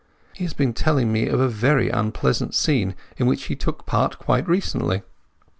He has been telling me of a very unpleasant scene in which he took part quite recently.